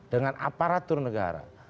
dengan aparatur negara